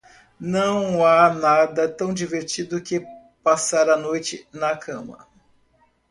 Não há nada tão divertido que passar a noite na cama.